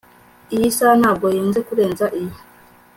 iyi saha ntabwo ihenze kurenza iyo